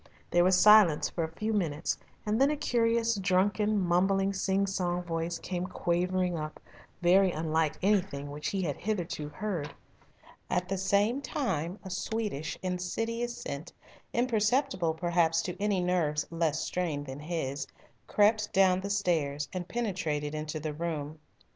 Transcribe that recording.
There was silence for a few minutes and then a curious drunken, mumbling sing song voice came quavering up, very unlike anything which he had heard hitherto. At the same time a sweetish, insidious scent, imperceptible perhaps to any nerves less strained than his, crept down the stairs and penetrated into the room.